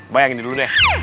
bayangin dulu deh